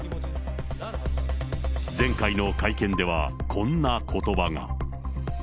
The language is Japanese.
前回の会見では、こんなことばが。